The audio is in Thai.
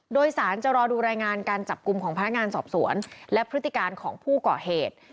โดยสารจะรอดูรายงานการจับกลุ่มของพนักงานสอบสวนและพฤติการของผู้ก่อเหตุ